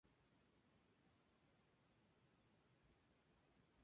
El espacio no cuenta con segmentos definidos.